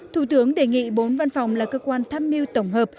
thủ tướng đề nghị bốn văn phòng là cơ quan tham mưu tổng hợp